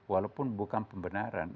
walaupun bukan pembenaran